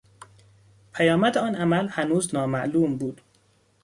پیامد آن عمل هنوز نامعلوم بود.